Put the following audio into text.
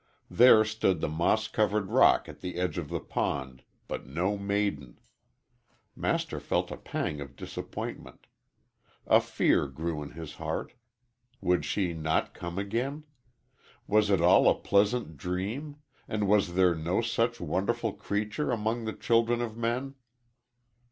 There stood the moss covered rock at the edge of the pond, but no maiden. Master felt a pang of disappointment. A fear grew in his heart. Would she not come again? Was it all a pleasant dream, and was there no such wonderful creature among the children of men?